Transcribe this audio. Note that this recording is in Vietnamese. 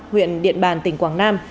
huyện điện bàn tỉnh quảng nam